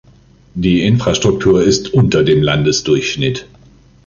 Die Infrastruktur ist unter dem Landesdurchschnitt.